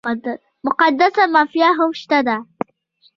مقدسه مافیا هم شته ده.